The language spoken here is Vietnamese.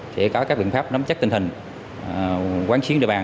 sẽ có các biện pháp nắm chắc tinh thần quán chiến địa bàn